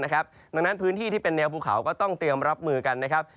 ดังนั้นพื้นที่ที่เป็นแนวภูเขาก็ต้องเตรียมรับมือกันนะครับ